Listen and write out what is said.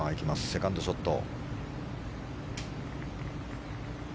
セカンドショット。